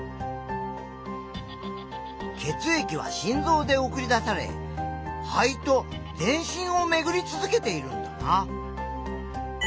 血液は心臓で送り出され肺と全身をめぐり続けているんだな。